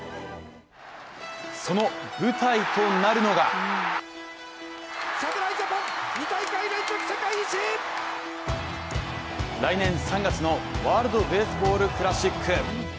その舞台となるのが来年３月のワールドベースボールクラシック。